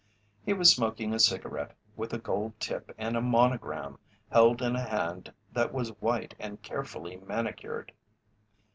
He was smoking a cigarette with a gold tip and a monogram, held in a hand that was white and carefully manicured.